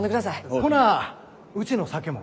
ほなうちの酒も。